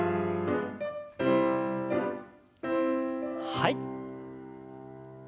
はい。